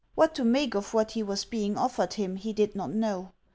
What to make of what he was being offered him he did not know.